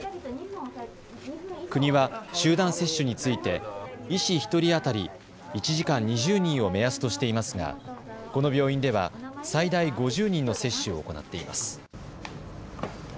国は集団接種について医師１人当たり、１時間２０人を目安としていますがこの病院では最大５０人の接種を行っています。